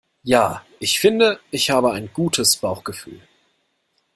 Ja, ich finde, ich habe ein gutes Bauchgefühl.